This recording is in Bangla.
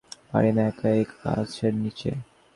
আমরা তাকে এভাবে ফেলে যেতে পারিনা, একা এই গাছের নিচে।